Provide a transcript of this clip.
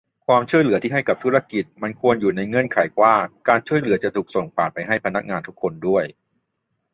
ความช่วยเหลือที่ให้กับธุรกิจมันควรอยู่ในเงื่อนไขว่า การช่วยเหลือจะถูกส่งผ่านไปให้พนักงานทุกคนด้วย